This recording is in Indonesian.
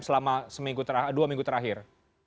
selama dua minggu terakhir